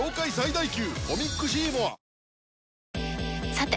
さて！